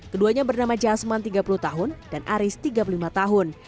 keduanya bernama jasman tiga puluh tahun dan aris tiga puluh lima tahun